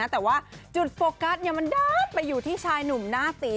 แต่ว่าจุดโฟกัสมันด้านไปอยู่ที่ชายหนุ่มหน้าตี